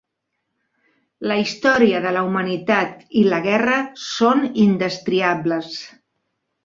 La història de la humanitat i la guerra són indestriables.